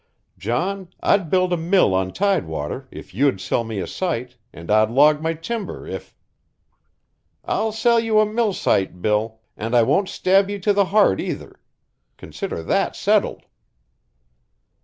John, I'd build a mill on tidewater if you'd sell me a site, and I'd log my timber if " "I'll sell you a mill site, Bill, and I won't stab you to the heart, either. Consider that settled."